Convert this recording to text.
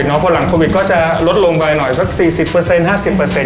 ก็พอหลังโควิดก็จะลดลงไปหน่อยสัก๔๐เปอร์เซ็นต์๕๐เปอร์เซ็นต์